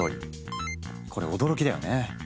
これ驚きだよね。